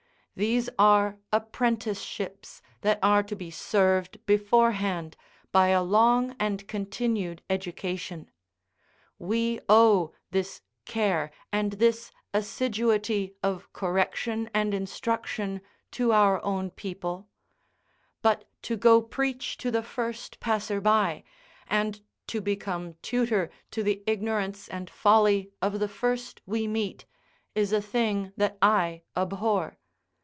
These are apprenticeships that are to be served beforehand, by a long and continued education. We owe this care and this assiduity of correction and instruction to our own people; but to go preach to the first passer by, and to become tutor to the ignorance and folly of the first we meet, is a thing that I abhor.